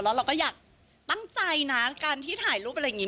แล้วเราก็อยากตั้งใจนะการที่ถ่ายรูปอะไรอย่างนี้